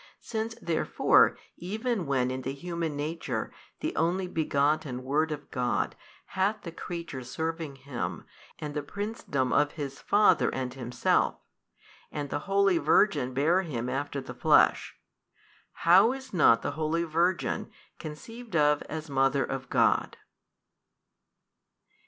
Since therefore even when in the human nature the Only Begotten Word of God hath the creature serving Him and the Princedom of His Father and Himself, and the holy Virgin bare Him after the flesh: how is not the holy Virgin conceived of as Mother of God?